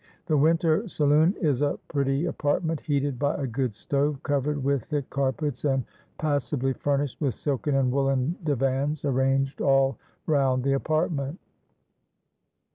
The winter saloon is a pretty apartment heated by a good stove, covered with thick carpets, and passably furnished with silken and woollen divans arranged all round the apartment.